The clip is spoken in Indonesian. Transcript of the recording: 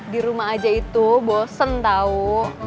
di rumah aja itu bosen tau